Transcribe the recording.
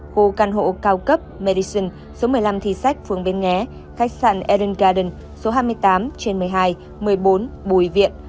khu căn hộ cao cấp medition số một mươi năm thi sách phường bến nghé khách sạn edun garden số hai mươi tám trên một mươi hai một mươi bốn bùi viện